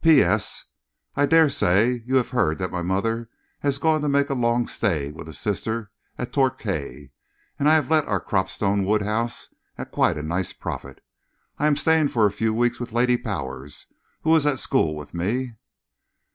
P.S. I dare say you have heard that my mother has gone to make a long stay with a sister at Torquay, and I have let our Cropstone Wood house at quite a nice profit. I am staying for a few weeks with Lady Powers, who was at school with me.